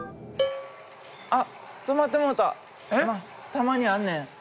たまにあんねん。